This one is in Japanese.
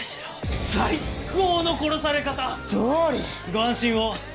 ご安心を。